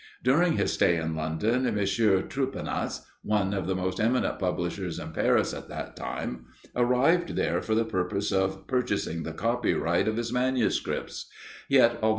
During his stay in London, M. Troupenas, one of the most eminent publishers in Paris at that time, arrived there for the purpose of purchasing the copyright of his manuscripts; yet, although M.